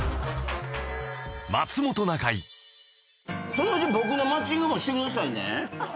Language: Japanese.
そのうち僕のマッチングもしてくださいね。